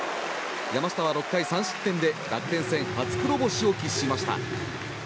山下は６回３失点で楽天戦初黒星を喫しました。